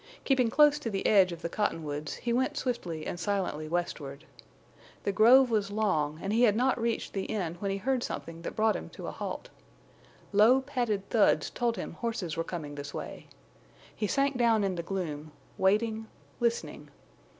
Keeping close to the edge of the cottonwoods, he went swiftly and silently westward. The grove was long, and he had not reached the end when he heard something that brought him to a halt. Low padded thuds told him horses were coming this way. He sank down in the gloom, waiting, listening.